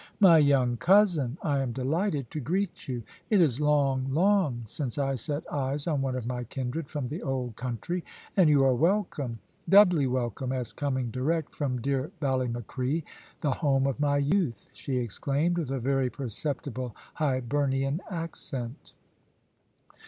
"My young cousin, I am delighted to greet you. It is long, long since I set eyes on one of my kindred from the old country, and you are welcome doubly welcome as coming direct from dear Ballymacree, the home of my youth," she exclaimed, with a very perceptible Hibernian accent.